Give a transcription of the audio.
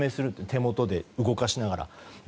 手元で動かしながら。